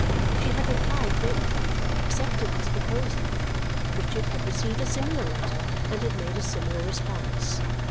She had replied, gratefully accepting his proposal. Richard had received a similar letter and had made a similar response.